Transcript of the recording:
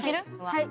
はい。